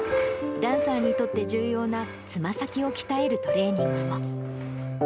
ダンサーにとって重要なつま先を鍛えるトレーニングも。